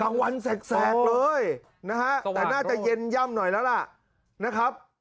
กลางวันแสกเลยแต่น่าจะเย็นย่ำหน่อยแล้วล่ะ